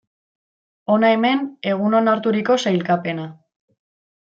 Hona hemen egun onarturiko sailkapena.